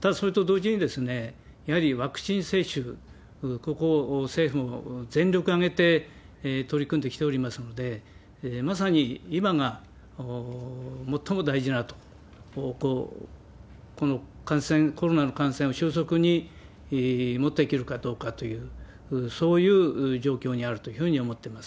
ただ、それと同時に、やはりワクチン接種、ここを政府も全力を挙げて取り組んできておりますので、まさに今が最も大事だと、この感染、コロナの感染を収束に持っていけるかどうかという、そういう状況にあるというふうに思っています。